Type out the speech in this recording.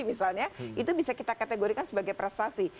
misalnya itu bisa kita kategorikan sebagai prestasi